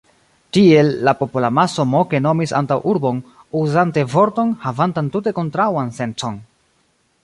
Tiel la popolamaso moke nomis antaŭurbon, uzante vorton, havantan tute kontraŭan sencon.